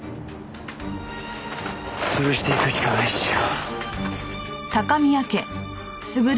潰していくしかないっしょ。